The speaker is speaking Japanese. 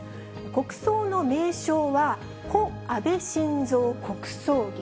国葬の名称は、故安倍晋三国葬儀。